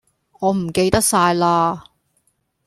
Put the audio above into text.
我唔記得晒啦